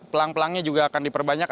pelang pelangnya juga akan diperbanyak